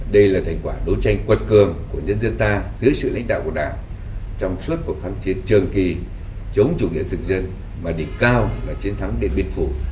đây là thành quả đấu tranh quật cường của nhân dân ta dưới sự lãnh đạo của đảng trong suốt cuộc kháng chiến trường kỳ chống chủ nghĩa thực dân mà đỉnh cao là chiến thắng điện biên phủ